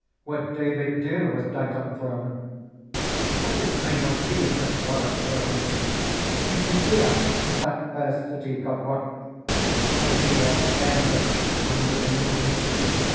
Where David dear was dight on throne. But it may.jiat,l)ejn this forest lone : TTvJjlllfia tfi that fair ^ity^ God wot I As ye are stainless under the moon.